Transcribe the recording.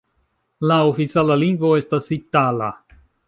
La oficiala lingvo estas itala.